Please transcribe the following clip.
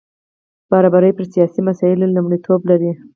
برابري پر سیاسي مسایلو لومړیتوب لري.